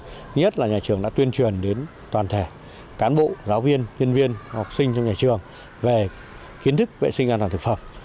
thứ nhất là nhà trường đã tuyên truyền đến toàn thể cán bộ giáo viên nhân viên học sinh trong nhà trường về kiến thức vệ sinh an toàn thực phẩm